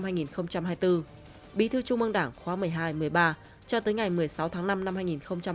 bí thư trung ương đảng khóa một mươi hai một mươi ba cho tới ngày một mươi sáu tháng năm năm hai nghìn hai mươi